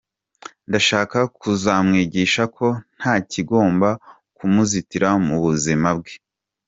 Ndashaka kuzamwigisha ko nta kigomba kumuzitira mu buzima bwe.